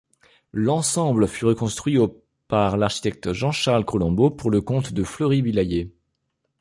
L'ensemble fut reconstruit au par l’architecte Jean-Charles Colombot pour le comte de Fleury-Villayer.